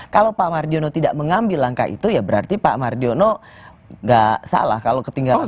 kalau pak mardiono tidak mengambil langkah itu ya berarti pak mardiono nggak salah kalau ketinggalan